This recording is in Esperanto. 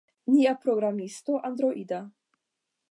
Nia programisto Androida